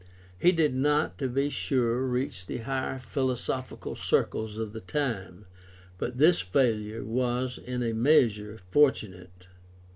He did not, to be sure, reach the higher philosophical circles of the time, but this failure was in a measure fortunate.